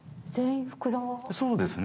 そうですね。